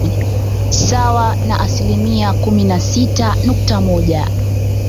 sawa na asilimia kumi na tisa nukta moja